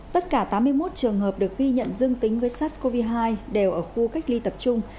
tất cả tám mươi một trường hợp được ghi nhận dương tính với sars cov hai đều ở khu cách ly tập trung